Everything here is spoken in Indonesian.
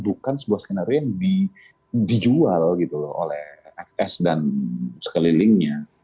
bukan sebuah skenario yang dijual gitu loh oleh fs dan sekelilingnya